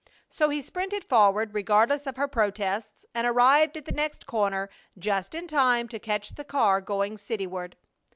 So he sprinted forward, regardless of her protests, and arrived at the next corner just in time to catch the car going cityward.